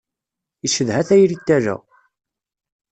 Icedha tayri n tala.